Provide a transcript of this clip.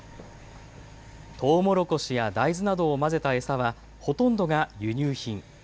とうもろこしや大豆などを混ぜた餌はほとんどが輸入品。